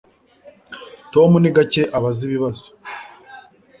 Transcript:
Tom ni gake abaza ibibazo